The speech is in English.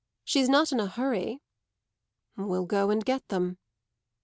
"She's not in a hurry." "We'll go and get them."